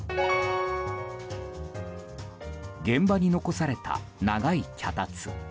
現場に残された長い脚立。